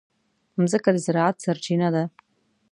مځکه د زراعت سرچینه ده.